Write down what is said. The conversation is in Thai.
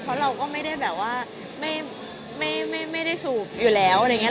เพราะเราก็ไม่ได้แบบว่าไม่ได้สูบอยู่แล้วอะไรอย่างนี้